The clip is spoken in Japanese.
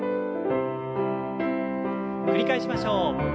繰り返しましょう。